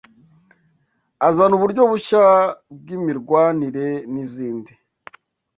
azana uburyo bushya bw’imirwanire n’izindi